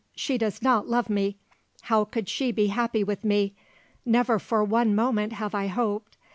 She does not love me. How could she be happy with me? Never for one moment have I hoped.